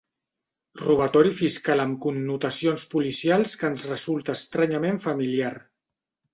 Robatori fiscal amb connotacions policials que ens resulta estranyament familiar.